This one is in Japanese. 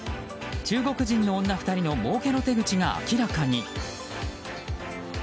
中国人の女２人のもうけの手口が明らかに。